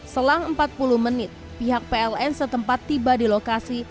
selang empat puluh menit pihak pln setempat tiba di lokasi